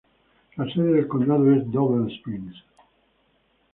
La sede de condado es Double Springs.